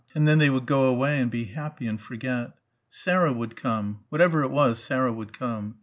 and then they would go away and be happy and forget.... Sarah would come. Whatever it was, Sarah would come.